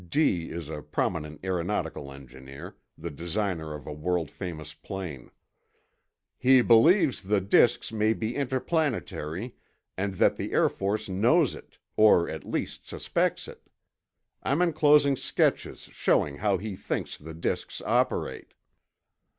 (D——— is a prominent aeronautical engineer, the designer of a world famous plane.) "He believes the disks may be interplanetary and that the Air Force knows it—or at least suspects it. I'm enclosing sketches showing how he thinks the disks operate."